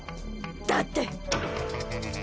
だって